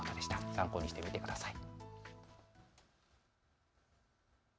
参考にしてみてください。